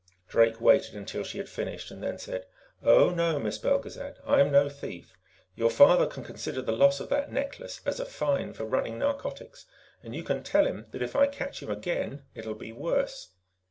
Drake waited until she had finished, and then said: "Oh, no, Miss Belgezad; I'm no thief. Your father can consider the loss of that necklace as a fine for running narcotics. And you can tell him that if I catch him again, it will be worse.